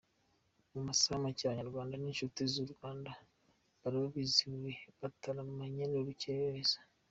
Mu masaha make, Abanyarwanda n’inshuti z’u Rwanda baraba bizihiwe, bataramanye n’Urukerereza.